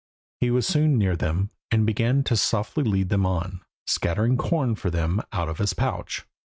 He was soon near them, and began to softly lead them on, scattering corn for them out of his pouch.